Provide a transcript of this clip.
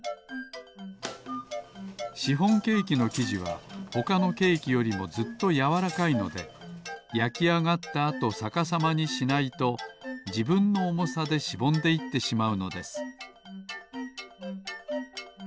シフォンケーキのきじはほかのケーキよりもずっとやわらかいのでやきあがったあとさかさまにしないとじぶんのおもさでしぼんでいってしまうのです